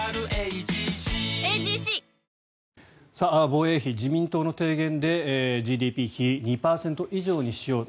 防衛費、自民党の提言でＧＤＰ比２％以上にしよう